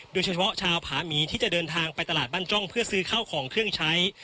โดยเฉพาะชาวผาหมีที่จะเดินทางไปตลาดบ้านจ้องเพื่อซื้อข้าวของเครื่องใช้